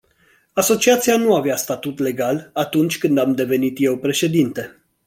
Asociația nu avea statut legal atunci când am devenit eu președinte.